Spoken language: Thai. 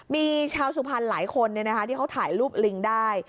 มีชาวสุภัณฑ์หลายคนเนี่ยนะคะที่เขาถ่ายรูปลิงได้